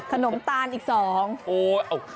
ขนมตาลอีกสอง